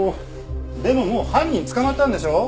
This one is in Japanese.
でももう犯人捕まったんでしょ？